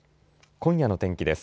今夜の天気です。